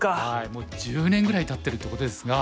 もう１０年ぐらいたってるってことですが。